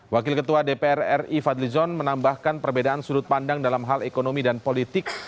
wakil ketua dpr ri fadlizon menambahkan perbedaan sudut pandang dalam hal ekonomi dan politik